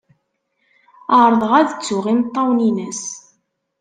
Ɛerḍeɣ ad ttuɣ imeṭṭawen-ines.